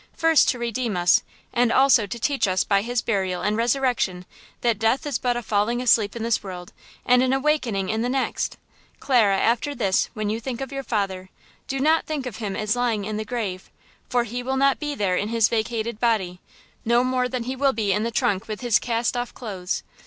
First to redeem us, and also to teach us by His burial and resurrection that death is but a falling asleep in this world and an awakening in the next. Clara, after this, when you think of your father, do not think of him as lying in the grave, for he will not be there in his vacated body, no more than he will be in the trunk with his cast off clothes.